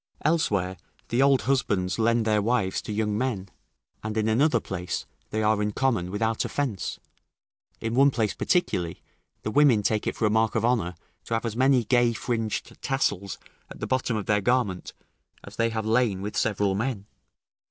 Elsewhere the old husbands lend their wives to young men; and in another place they are in common without offence; in one place particularly, the women take it for a mark of honour to have as many gay fringed tassels at the bottom of their garment, as they have lain with several men.